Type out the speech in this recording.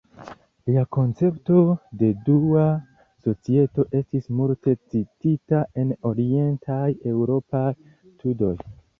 Lia koncepto de dua societo estis multe citita en Orientaj Eŭropaj Studoj.